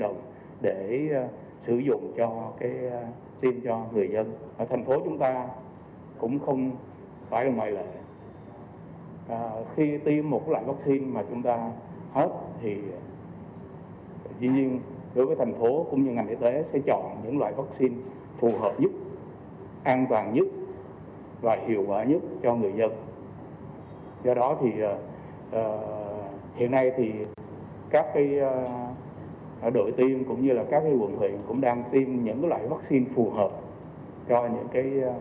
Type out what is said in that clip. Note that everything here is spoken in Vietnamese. động để sử dụng cho cái tiêm cho người dân thành phố chúng ta cũng không phải quay lại khi tiên một lạc